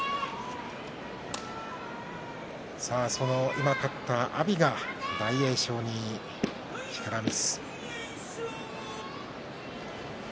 今、勝った阿炎が大栄翔に力水。